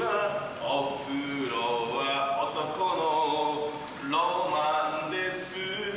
お風呂は男のロマンです。